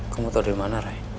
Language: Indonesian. kamu tau dari mana ray